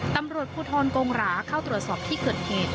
ตำรวจภูทรกงหราเข้าตรวจสอบที่เกิดเหตุ